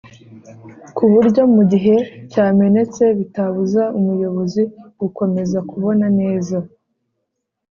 kuburyo mugihe cyamenetse bitabuza umuyobozi gukomeza kubona neza